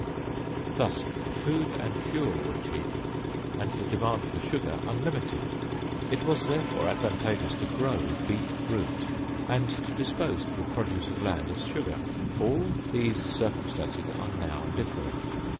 Thus, food and fuel were cheap, and the demand for sugar unlimited; it was, therefore, advantageous to grow beet root, and to dispose of the produce of land as sugar. All these circumstances are now different.